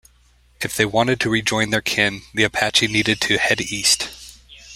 If they wanted to rejoin their kin, the Apache needed to head east.